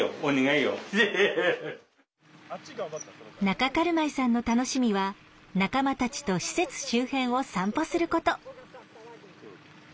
中軽米さんの楽しみは仲間たちと施設周辺を散歩すること。